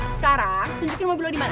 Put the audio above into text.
sekarang tunjukin mobil lo dimana